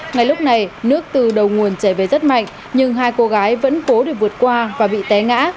ngay lúc này nước từ đầu nguồn chảy về rất mạnh nhưng hai cô gái vẫn cố để vượt qua và bị té ngã